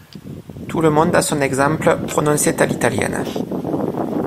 Tout le monde à son exemple, prononçait à l'italienne.